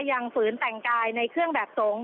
ยังฝืนแต่งกายในเครื่องแบบทง